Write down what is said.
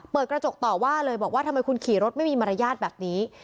เปิดกระจกต่อว่าเลยบอกว่าทำไมคุณขี่รถไม่มีมารยาทแบบนี้